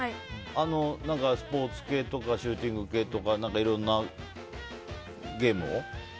スポーツ系とかシューティング系とかいろんなゲームを？